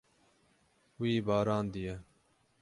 Wî barandiye.